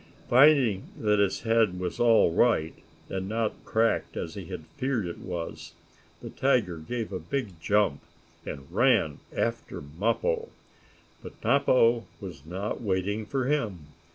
Finding that his head was all right, and not cracked as he had feared it was, the tiger gave a big jump, and ran after Mappo. But Mappo was not waiting for him.